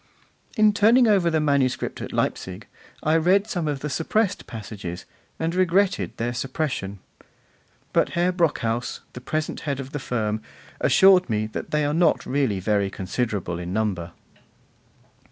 In turning over the manuscript at Leipzig, I read some of the suppressed passages, and regretted their suppression; but Herr Brockhaus, the present head of the firm, assured me that they are not really very considerable in number.